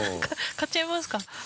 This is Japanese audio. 買っちゃいますか。